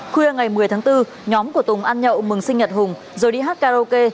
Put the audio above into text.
khuya ngày một mươi tháng bốn nhóm của tùng ăn nhậu mừng sinh nhật hùng rồi đi hát karaoke